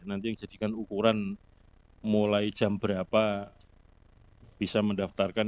nanti yang dijadikan ukuran mulai jam berapa bisa mendaftarkan